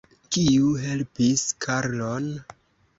Kiu helpis Karlon?